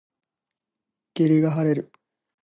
霧が晴れる。